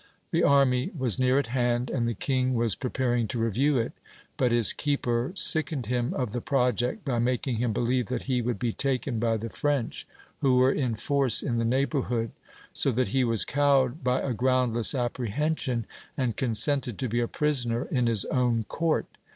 The army was near at hand, and the king was pre paring to review it : but his keeper sickened him of the project, by making him believe that he would be taken by the French, who were in force in the neigh bourhood ; so that he was cowed by a groundless apprehension, and consented I to be a prisoner in his own court.